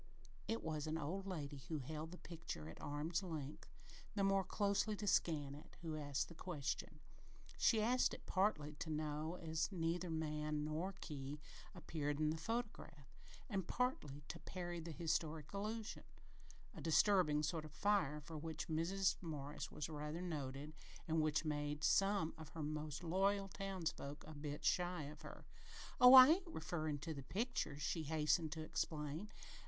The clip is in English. It was an old lady who held the picture at arm's length, the more closely to scan it, who asked the question. She asked it partly to know, as neither man nor key appeared in the photograph, and partly to parry the "historic allusion" a disturbing sort of fire for which Mrs. Morris was rather noted and which made some of her most loyal townsfolk a bit shy of her. "Oh, I ain't referrin' to the picture," she hastened to explain.